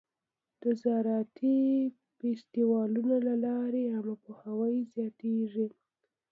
د زراعتي فستیوالونو له لارې عامه پوهاوی زیاتېږي.